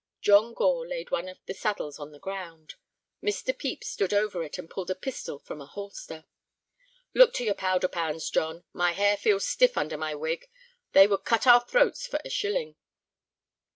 John Gore laid one of the saddles on the ground. Mr. Pepys stooped over it and pulled a pistol from a holster. "Look to your powder pans, John; my hair feels stiff under my wig. They would cut our throats for a shilling."